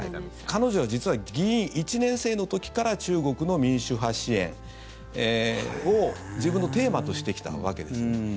彼女は実は議員１年生の時から中国の民主派支援を自分のテーマとしてきたわけです。